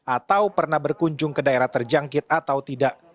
atau pernah berkunjung ke daerah terjangkit atau tidak